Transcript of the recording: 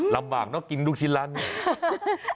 ลำบากเนอะกินลูกชิ้นร้านนี้